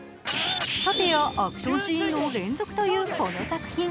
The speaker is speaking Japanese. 殺陣やアクションシーンの連続というこの作品。